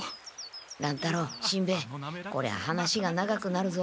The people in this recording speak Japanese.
乱太郎しんべヱこりゃ話が長くなるぞ？